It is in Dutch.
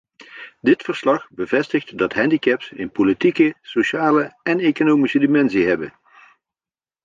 Dit verslag bevestigt dat handicaps een politieke, sociale en economische dimensie hebben.